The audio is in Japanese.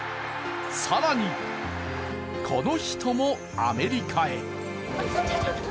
更に、この人もアメリカへ。